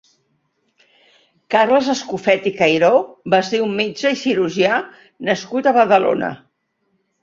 Carles Escofet i Cairó va ser un metge i cirurgià nascut a Badalona.